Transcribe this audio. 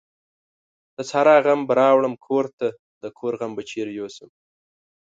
د سارا غم به راوړم کورته ، دکور غم به چيري يو سم ؟.